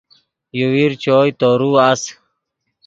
یوویر چوئے تورو اَس